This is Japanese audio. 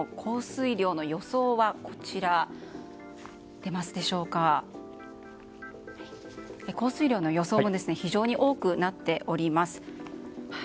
その雨ですが降水量の予想も非常に多くなっております。